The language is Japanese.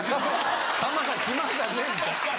さんまさん暇じゃねえんだって。